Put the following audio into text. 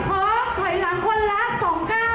พร้อมพร้อมถอยหลังคนรักสองก้าวค่ะ